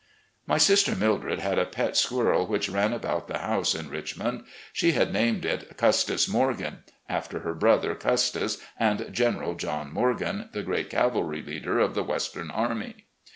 My sister Mildred had a pet squirrel which ran about the house in Richmond. She had named it "Custis Morgan," after her brother Custis, and General John Morgan, the great cavalry leader of the western army.